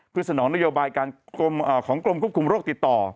เพื่อสนองนโยบายการของกรมควบคุมโรคติดต่อ